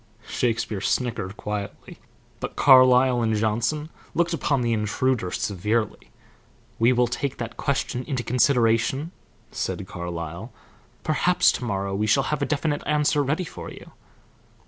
Shakespeare snickered quietly, but Carlyle and Johnson looked upon the intruder severely. "We will take that question into consideration," said Carlyle. "Perhaps to morrow we shall have a definite answer ready for you."